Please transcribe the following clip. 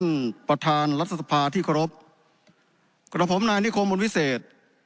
ท่านประธานรัฐศภาที่ครบกระดับผมนายนิโคมวลวิเศษ